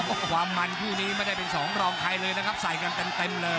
เพราะความมันคู่นี้ไม่ได้เป็นสองรองใครเลยนะครับใส่กันเต็มเลย